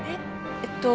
えっと